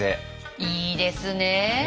いいですねえ。